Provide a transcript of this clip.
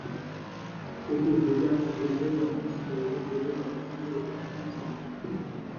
এটি হেজাজ রেলওয়ের অংশ ছিল এবং রেলের অনেকগুলি রেল স্টেশন ছিল।